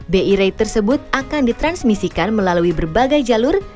bi rate tersebut akan ditransmisikan melalui berbagai jalur